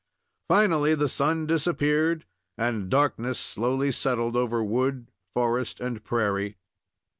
Finally, the sun disappeared, and darkness slowly settled over wood, forest, and prairie.